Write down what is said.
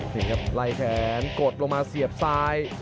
นี่ครับไล่แขนกดลงมาเสียบซ้าย